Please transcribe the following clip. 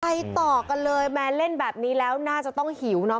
ไปต่อกันเลยแม้เล่นแบบนี้แล้วน่าจะต้องหิวเนอ